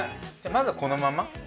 まずはこのまま？